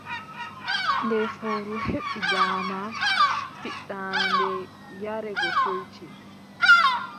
Nde fowru heɓi daama, fiɗaande yaare go feewti,